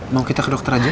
mau kita ke dokter aja